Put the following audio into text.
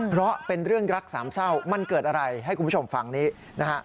เพราะเป็นเรื่องรักสามเศร้ามันเกิดอะไรให้คุณผู้ชมฟังนี้นะฮะ